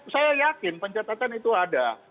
saya yakin pencatatan itu ada